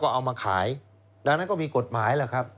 เพราะฉะนั้นคุณมิ้นท์พูดเนี่ยตรงเป้งเลย